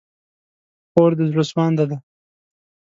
خور د زړه سوانده ده.